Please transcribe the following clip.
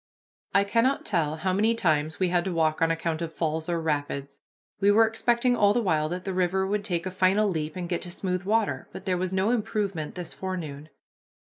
I cannot tell how many times we had to walk on account of falls or rapids. We were expecting all the while that the river would take a final leap and get to smooth water, but there was no improvement this forenoon.